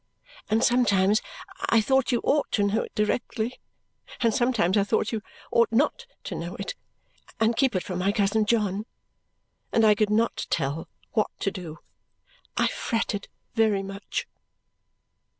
And sometimes I thought you ought to know it directly, and sometimes I thought you ought not to know it and keep it from my cousin John; and I could not tell what to do, and I fretted very much."